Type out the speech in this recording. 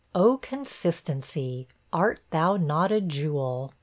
Oh consistency, art thou not a jewel?